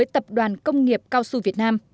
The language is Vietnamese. tập đoàn công nghiệp cao su việt nam